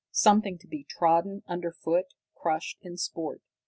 Something to be trodden underfoot, crushed in sport!